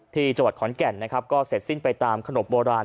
ที่จังหวัดขอนแก่นนะครับก็เสร็จสิ้นไปตามขนบโบราณ